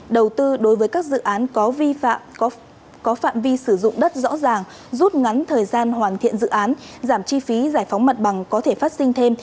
đầu tư đối với các dự án có vi phạm có phạm vi sử dụng đất rõ ràng rút ngắn thời gian hoàn thiện dự án giảm chi phí giải phóng mặt bằng có thể phát sinh thêm